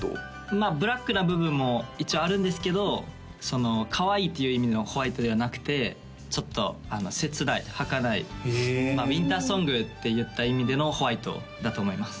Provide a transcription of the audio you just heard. まあブラックな部分も一応あるんですけどかわいいっていう意味のホワイトではなくてちょっと切ないはかないウインターソングっていった意味でのホワイトだと思います